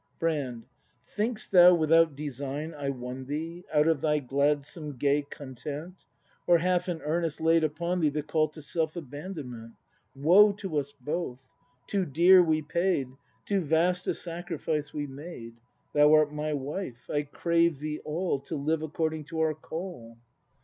Brand. Think'st thou without design I won thee Out of thy gladsome gay content, Or, half in earnest, laid upon thee The call to self abandonment ? Woe to us both; too dear we paid. Too vast a sacrifice we made; Thou art my wife : I crave thee all To live according to our call.